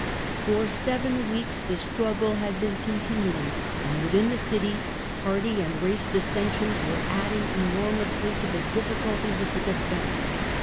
Disunion For seveu weeks the struggle had been continuing, CitJ'"*^'^ and within the city party and race dissensions were adding enormously to the difficulties of the defence.